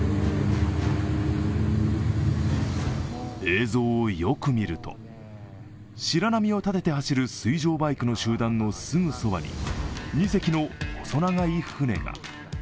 映像をよく見ると、白波を立てて走る水上バイクの集団のすぐそばに２隻の細長い船が。